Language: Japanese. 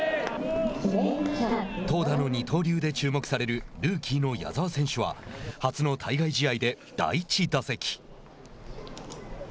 投打の二刀流で注目されるルーキーの矢澤選手は初の対外試合で第１打席。